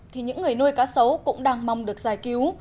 thì những người nuôi cá sấu cũng đang mong được giải cứu